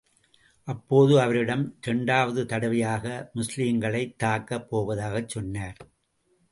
அப்போது அவரிடம் இரண்டாவது தடவையாக முஸ்லிம்களைத் தாக்கப் போவதாகச் சொன்னார்.